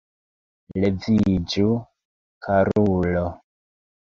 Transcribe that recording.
Leviĝu, karulo!